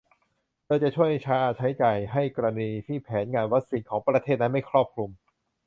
โดยจะช่วยค่าใช้จ่ายให้กรณีที่แผนงานวัคซีนของประเทศนั้นไม่ครอบคลุม